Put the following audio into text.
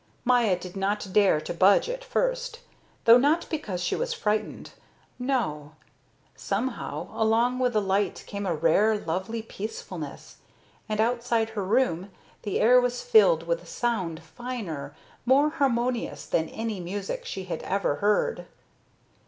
Maya did not dare to budge at first, though not because she was frightened. No. Somehow, along with the light came a rare, lovely peacefulness, and outside her room the air was filled with a sound finer, more harmonious than any music she had ever heard.